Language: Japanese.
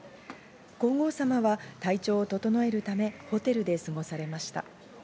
皇后さまは体調を整えるためホテルで過ごされました。